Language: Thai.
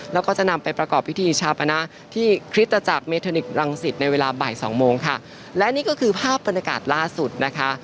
แล้วก็จะนำไปประกอบพิธีชาปนาที่คริสตจักรเมธานิกสรังสิตในเวลาบ่ายสองโมงค่ะและนี่ก็คือภาพบรรยากาศล่าสุดนะคะ